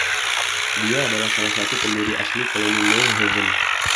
Dia adalah salah satu pendiri asli Koloni New Haven.